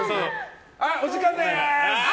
あ、お時間です！